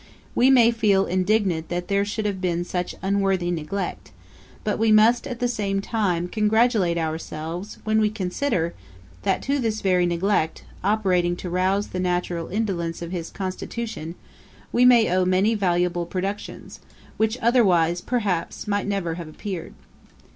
We may feel indignant that there should have been such unworthy neglect; but we must, at the same time, congratulate ourselves, when we consider, that to this very neglect, operating to rouse the natural indolence of his constitution, we owe many valuable productions, which otherwise, perhaps, might never have appeared.